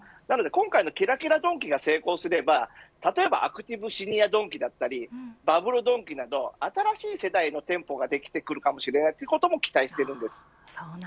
今回のキラキラドンキが成功すればアクティブシニアドンキだったりバブルドンキなど新しい世代の店舗ができてくるかもしれないということも期待しています。